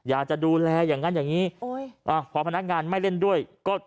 อยากจะดูแลอย่างนั้นอย่างนี้พอพนักงานไม่เล่นด้วยก็